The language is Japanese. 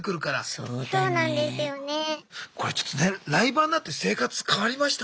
これちょっとねライバーになって生活変わりました？